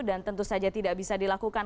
dan tentu saja tidak bisa dilakukan